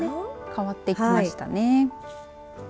変わってきましたね。